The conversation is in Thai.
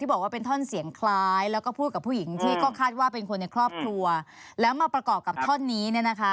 เดี๋ยวค่อยมีก็ค่อยให้เขาไง